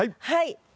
はい。